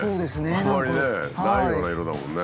あんまりねないような色だもんね。